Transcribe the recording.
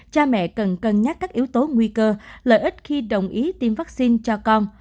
cha mẹ cần cân nhắc các yếu tố nguy cơ lợi ích khi đồng ý tiêm vaccine cho con